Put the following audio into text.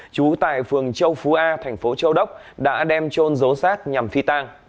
trú tại phường châu phú a thành phố châu đốc đã đem trôn dấu sát nhằm phi tang